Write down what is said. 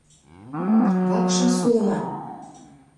Вакшым сулыман...